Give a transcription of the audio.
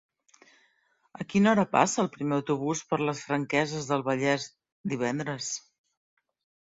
A quina hora passa el primer autobús per les Franqueses del Vallès divendres?